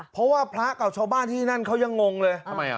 เพราะว่าพระเก่าชาวบ้านที่นั่นเขายังงงเลย